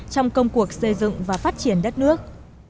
trong công cuộc xây dựng và phát triển đất nước